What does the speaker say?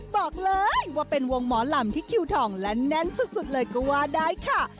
บอกเลยว่าเป็นวงหมอลำที่คิวทองและแน่นสุดเลยก็ว่าได้ค่ะ